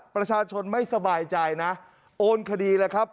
ประชาชนไม่สบายใจนะโอนคดีเลยครับ